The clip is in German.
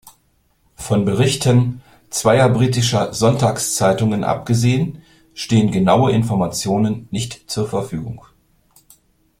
Von Berichten zweier britischer Sonntagszeitungen abgesehen stehen genaue Informationen nicht zur Verfügung.